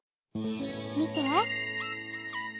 みて。